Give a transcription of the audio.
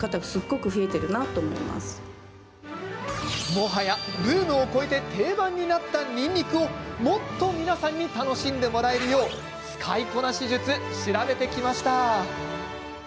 もはやブームを超えて定番になった、にんにくをもっと皆さんに楽しんでもらえるよう使いこなし術、調べてきました。